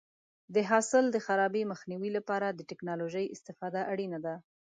د حاصل د خرابي مخنیوي لپاره د ټکنالوژۍ استفاده اړینه ده.